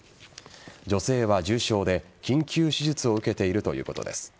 女性は重傷で緊急手術を受けているということです。